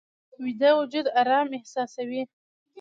ویده وجود آرام احساسوي